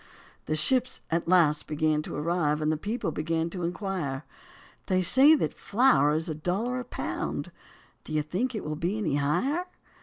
The ships at last began to arrive and the people began to inquire. They say that flour is a dollar a pound, do you think it will be any higher?